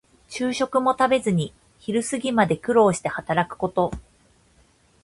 昼食も食べずに昼過ぎまで苦労して働くこと。